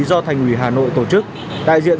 do thành ủy hà nội tổ chức đại diện